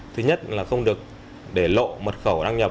thứ nhất là không được để lộ mật khẩu đăng nhập